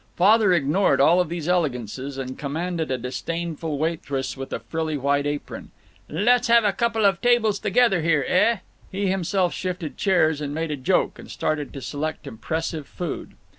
Father ignored all these elegances and commanded a disdainful waitress with a frilly white apron, "Let's have a couple of tables together here, eh?" He himself shifted chairs, and made a joke, and started to select impressive food.